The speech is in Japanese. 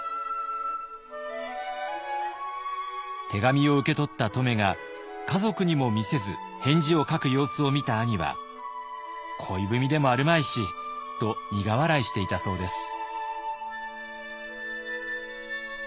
手紙を受け取った乙女が家族にも見せず返事を書く様子を見た兄は「恋文でもあるまいし」と苦笑いしていたそうです。